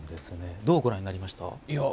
どうご覧になりました？